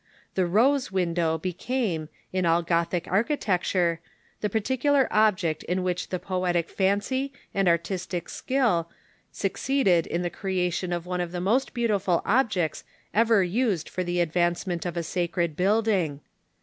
The Rose window became, in all Gothic architecture, the par ticular object in which the poetic fancy and artistic skill suc ceeded in the creation of one of the most beautiful objects ever used for the advancement of a sacred building.